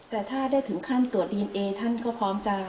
แต่ถ้าได้ถึงขั้นตรวจดีเอนเอท่านก็พร้อมจะ